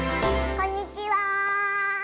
こんにちは！